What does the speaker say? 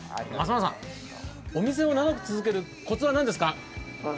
お店を長く続けるコツは何ですか？